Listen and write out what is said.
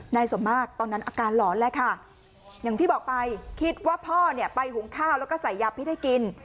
สมมากตอนนั้นอาการหลอนแล้วค่ะอย่างที่บอกไปคิดว่าพ่อเนี่ยไปหุงข้าวแล้วก็ใส่ยาพิษให้กิน